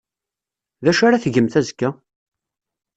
D acu ara tgemt azekka?